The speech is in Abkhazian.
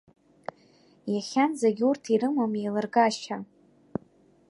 Иахьанӡагь урҭ ирымам еилыргашьа.